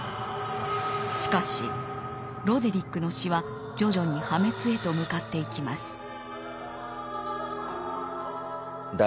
しかしロデリックの詩は徐々に破滅へと向かっていきます。